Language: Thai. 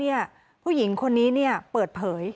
ไม่รู้จริงว่าเกิดอะไรขึ้น